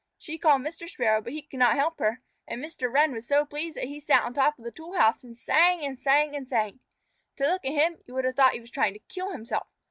She called Mr. Sparrow, but he could not help her, and Mr. Wren was so pleased that he sat on top of the tool house and sang and sang and sang. To look at him you would have thought he was trying to kill himself.